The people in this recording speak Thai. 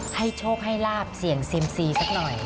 ให้โชคให้ลาบเสี่ยงเซียมซีสักหน่อย